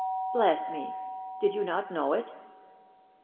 "Bless me! Did you not know it?"